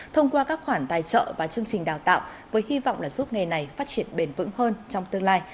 thông qua các khoản tài trợ và chương trình đào tạo với hy vọng là giúp nghề này phát triển bền vững hơn trong tương lai